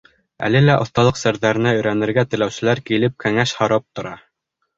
Әле лә оҫталыҡ серҙәренә өйрәнергә теләүселәр килеп кәңәш һорап тора.